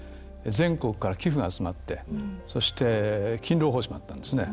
全国から寄付が集まって、そして勤労奉仕もあったんですね。